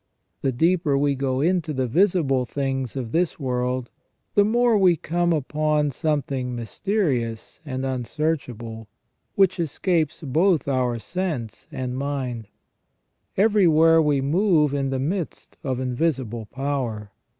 The deeper we go into the visible things of this world, the more we come upon something mysterious and unsearchable, which escapes both our sense and mind. Everywhere we move in the midst of invisible power.